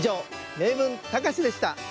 「名文たかし」でした。